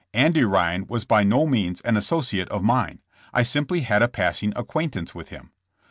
Andy Ryan was by no means an associate of mine ; I simply had a passing acquaintance with him.